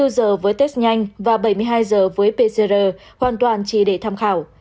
hai mươi giờ với test nhanh và bảy mươi hai giờ với pcr hoàn toàn chỉ để tham khảo